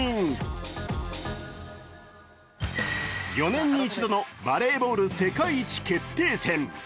４年に一度のバレーボール世界一決定戦。